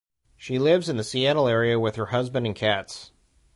She lives in the Seattle area with her husband and cats.